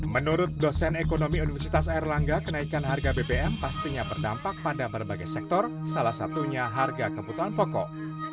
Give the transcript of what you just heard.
menurut dosen ekonomi universitas airlangga kenaikan harga bbm pastinya berdampak pada berbagai sektor salah satunya harga kebutuhan pokok